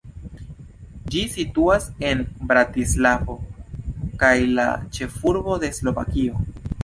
Ĝi situas en Bratislavo, la ĉefurbo de Slovakio.